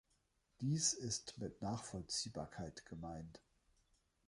Dies ist mit "Nachvollziehbarkeit" gemeint.